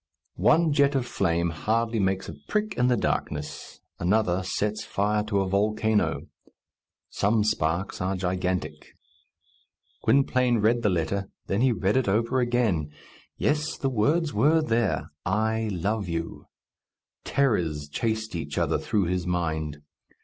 One jet of flame hardly makes a prick in the darkness; another sets fire to a volcano. Some sparks are gigantic. Gwynplaine read the letter, then he read it over again. Yes, the words were there, "I love you!" Terrors chased each other through his mind.